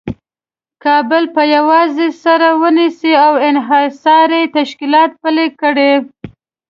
کابل په یوازې سر ونیسي او انحصاري تشکیلات پلي کړي.